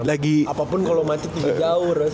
apapun kalau macet jauh